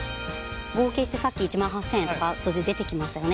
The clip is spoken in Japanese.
合計してさっき１万８，０００円とか数字出てきましたよね。